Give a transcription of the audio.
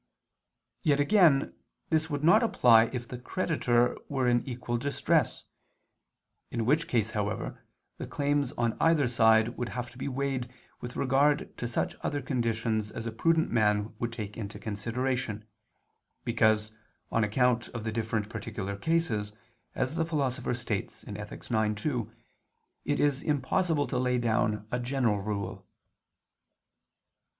Yet, again, this would not apply if the creditor were in equal distress: in which case, however, the claims on either side would have to be weighed with regard to such other conditions as a prudent man would take into consideration, because, on account of the different particular cases, as the Philosopher states (Ethic. ix, 2), it is impossible to lay down a general rule.